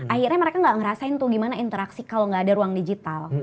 akhirnya mereka gak ngerasain tuh gimana interaksi kalau nggak ada ruang digital